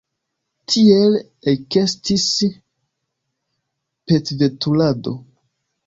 Tiel ekestis petveturado!